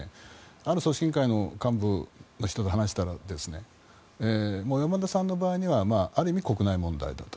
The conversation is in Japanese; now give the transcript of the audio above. ある組織委員会の幹部の人と話したら小山田さんの場合はある意味国内問題だった。